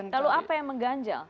lalu apa yang mengganjal